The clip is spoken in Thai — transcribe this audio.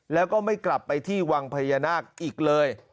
แล้วก็ไม่กลับไปที่วังพญานาคอีกเลย